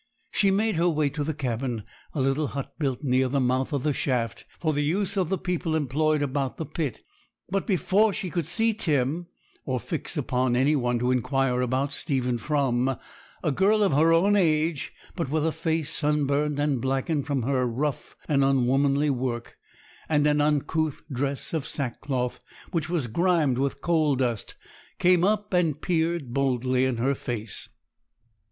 She made her way to the cabin, a little hut built near the mouth of the shaft for the use of the people employed about the pit; but before she could see Tim, or fix upon any one to inquire about Stephen from, a girl of her own age, but with a face sunburnt and blackened from her rough and unwomanly work, and in an uncouth dress of sackcloth, which was grimed with coal dust, came up and peered boldly in her face.